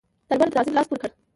طالبانو د تعذیب لاس پورې کړ.